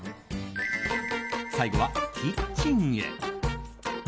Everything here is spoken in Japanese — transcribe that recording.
最後はキッチンへ。